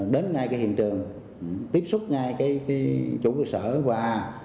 đến ngay cái hiện trường tiếp xúc ngay cái chủ cơ sở và